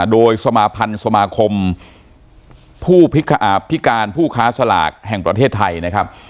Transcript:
โดยสมาพันธ์สมาคมผู้พิการผู้ค้าสลากแห่งประเทศไทยนะครับ